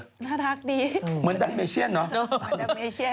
น่ารักดีมันแดมเมเชียนเนอะมันแดมเมเชียน